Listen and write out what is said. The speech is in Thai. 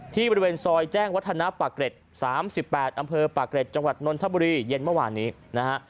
บริเวณซอยแจ้งวัฒนะปากเกร็ด๓๘อำเภอปากเกร็ดจังหวัดนนทบุรีเย็นเมื่อวานนี้นะฮะ